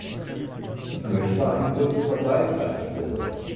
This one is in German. Ich möchte einen kurzen Vergleich anstellen.